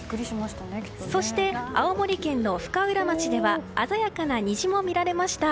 そして、青森県の深浦町では鮮やかな虹も見られました。